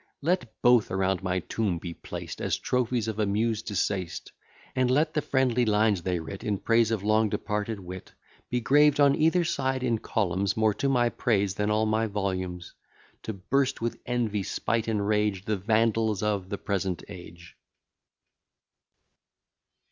Let both around my tomb be placed: As trophies of a Muse deceased; And let the friendly lines they writ, In praise of long departed wit, Be graved on either side in columns, More to my praise than all my volumes, To burst with envy, spite, and rage, The Vandals of the present age.